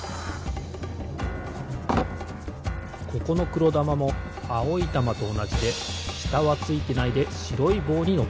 ここのくろだまもあおいたまとおなじでしたはついてないでしろいぼうにのってるんです。